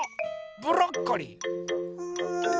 ブロッコリー！ん？